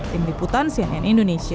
tim liputan cnn indonesia